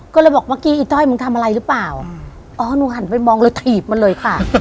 ก็เลยบอกเมื่อกี้อีต้อยมึงทำอะไรหรือเปล่าอ๋อหนูหันไปมองเลยถีบมันเลยค่ะ